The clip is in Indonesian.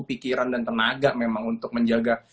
pikiran dan tenaga memang untuk menjaga